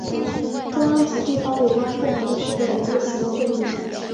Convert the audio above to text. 中央及地方有关部门的负责人列席了会议。